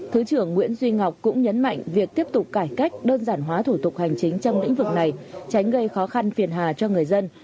thứ trưởng nguyễn duy ngọc cũng nhấn mạnh việc tiếp tục cải cách đơn giản hóa thủ tục hành chính trong lĩnh vực này tránh gây khó khăn phiền hà cho người dân